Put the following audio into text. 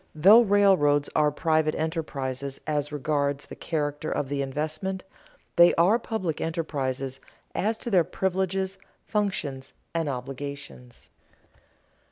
Though railroads are private enterprises as regards the character of the investment, they are public enterprises as to their privileges, functions, and obligations.